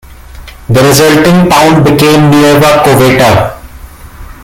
The resulting town became Nueva Coveta.